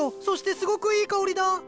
そしてすごくいい香りだ。